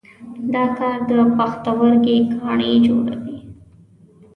دا کار د پښتورګي کاڼي جوړوي.